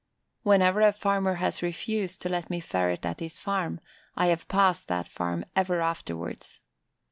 Whenever a farmer has refused to let me ferret at his farm I have passed that farm ever afterwards.